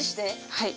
はい。